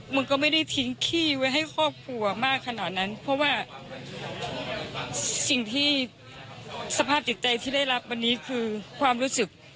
มันก็ไม่ได้ทิ้งขี้ไว้ให้ครอบครัวมากขนาดนั้นเพราะว่าสิ่งที่สภาพจิตใจที่ได้รับวันนี้คือความรู้สึก